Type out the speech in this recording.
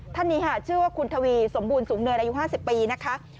ท่านนี้ค่ะชื่อว่าคุณทวีสมบูรณสูงเนินอายุ๕๐ปีนะคะ